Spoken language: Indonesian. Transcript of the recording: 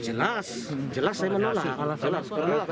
jelas jelas saya menolak